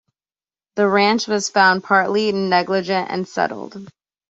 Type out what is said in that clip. The Ranch was found partly negligent and settled.